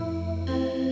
sampai jumpa lagi mams